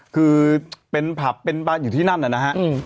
คือเป็นผับเป็นบ้านอยู่ที่นั่นนะฮะ